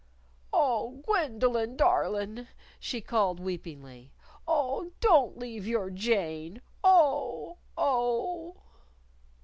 "Oh, Gwendolyn darlin'!" she called weepingly. "Oh, don't leave your Jane! Oh! Oh!"